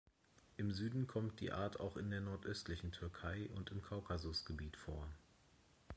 Im Süden kommt die Art auch in der nordöstlichen Türkei und im Kaukasusgebiet vor.